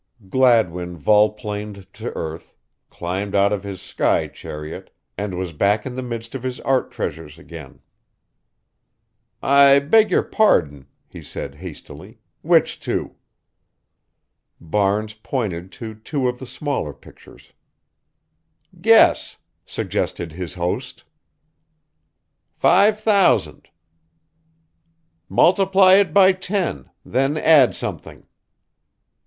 Gladwin volplaned to earth, climbed out of his sky chariot and was back in the midst of his art treasures again. "I beg your pardon," he said hastily. "Which two?" Barnes pointed to two of the smaller pictures. "Guess," suggested his host. "Five thousand." "Multiply it by ten then add something."